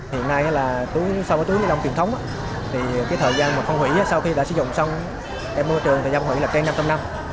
hiện nay là so với túi ni lông truyền thống thì cái thời gian mà phân hủy sau khi đã sử dụng xong em môi trường thời gian phân hủy là trên năm trăm linh năm